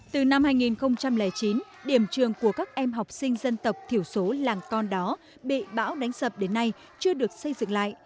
từ năm hai nghìn chín điểm trường của các em học sinh dân tộc thiểu số làng con đó bị bão đánh sập đến nay chưa được xây dựng lại